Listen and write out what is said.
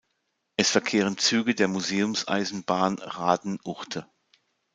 Es verkehren Züge der Museumseisenbahn Rahden–Uchte.